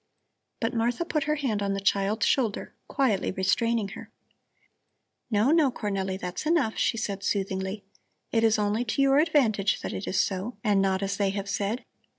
But Martha put her hand on the child's shoulder, quietly restraining her. "No, no, Cornelli, that's enough," she said soothingly. "It is only to your advantage that it is so and not as they have said.